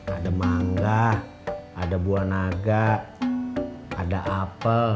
ada mangga ada buah naga ada apel